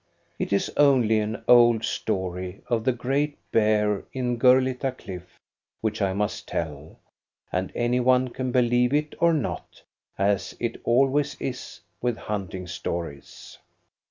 It is only an old story of the great bear in Gurlitta Cliff which I must tell; and any one can believe it or not, as it always is with hunting stories.